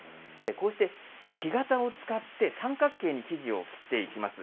こうして木型を使って、三角形に生地を切っていきます。